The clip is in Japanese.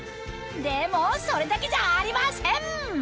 でもそれだけじゃありません